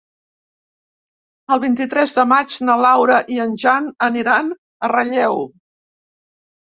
El vint-i-tres de maig na Laura i en Jan aniran a Relleu.